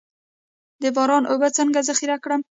د باران اوبه څنګه ذخیره کړم؟